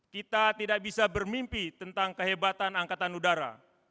kita tidak bisa bermimpi tentang kehebatan angkatan udara